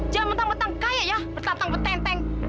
jangan betang betang kaya ya bertantang betenteng